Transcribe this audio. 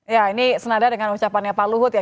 ya ini senada dengan ucapannya pak luhut ya